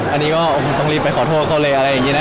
อันนี้ก็คงต้องรีบไปขอโทษเขาเลยอะไรอย่างนี้นะ